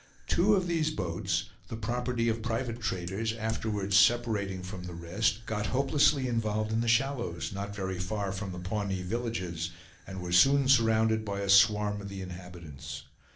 Two of these boats, the property of private traders, afterward separating from the rest, got hopelessly involved in the shallows, not very far from the Pawnee villages, and were soon surrounded by a swarm of the inhabitants.